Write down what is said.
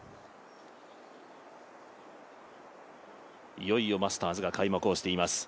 いよいよマスターズが開幕をしています。